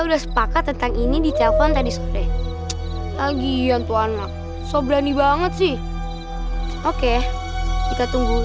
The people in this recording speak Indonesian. udah sepakat tentang ini di telfon tadi sore lagi iya tuhanlah sobrani banget sih oke kita tunggu lima belas